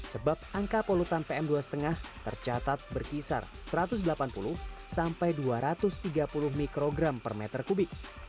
sebab angka polutan pm dua lima tercatat berkisar satu ratus delapan puluh sampai dua ratus tiga puluh mikrogram per meter kubik